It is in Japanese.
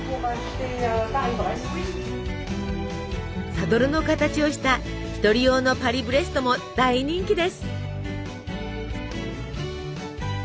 サドルの形をした１人用のパリブレストも大人気です。